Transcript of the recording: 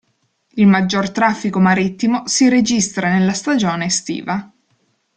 Il maggior traffico marittimo si registra nella stagione estiva.